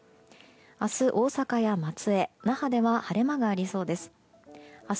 明日、大阪や松江、那覇では晴れ間がありそうです。